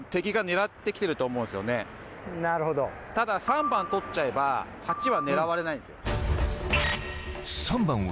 ただ３番取っちゃえば８は狙われないんですよ。